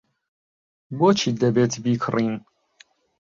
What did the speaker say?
بۆچی دەبێت بیکڕین؟